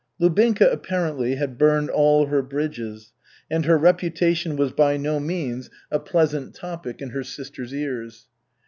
Lubinka, apparently, had burned all her bridges, and her reputation was by no means a pleasant topic in her sister's ears.